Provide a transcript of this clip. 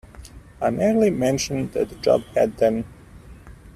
I merely mentioned that Job had them.